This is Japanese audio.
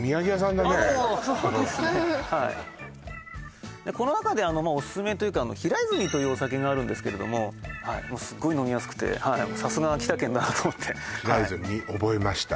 もうそうですねはいこのなかでオススメというか飛良泉というお酒があるんですけれどもすごい飲みやすくてさすがは秋田県だなと思ってはい覚えました